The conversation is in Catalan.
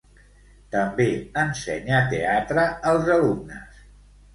També ensenya teatre als alumnes.